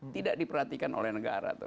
tidak diperhatikan oleh negara